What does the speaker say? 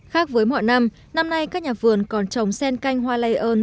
khác với mọi năm năm nay các nhà vườn còn trồng sen canh hoa lây ơn